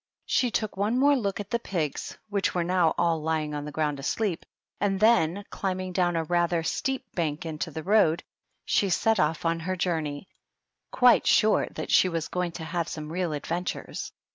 She took one more look at the pigs, which were now all lying on the ground asleep, and then, climbing down a rather steep bank into the road, she set off on her journey, quite 80 THE DUCHESS AND HER HODSE. sure that she was going to have some real adventures.